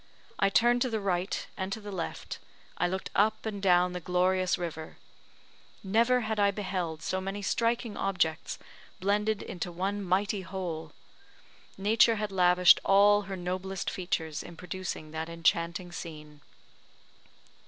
I turned to the right and to the left, I looked up and down the glorious river; never had I beheld so many striking objects blended into one mighty whole! Nature had lavished all her noblest features in producing that enchanting scene.